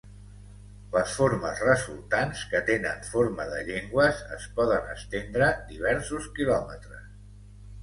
Les formes resultants, que tenen forma de llengües, es poden estendre diversos quilòmetres.